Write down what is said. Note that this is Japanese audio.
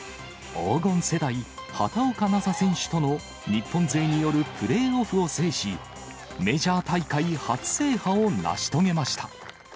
黄金世代、畑岡奈紗選手との日本勢によるプレーオフを制し、メジャー大会初制覇を成し遂げました。